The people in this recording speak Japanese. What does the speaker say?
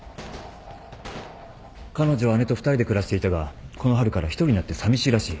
彼女は姉と２人で暮らしていたがこの春から一人になってさみしいらしい。